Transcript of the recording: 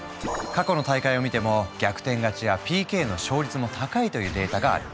過去の大会を見ても逆転勝ちやＰＫの勝率も高いというデータがある。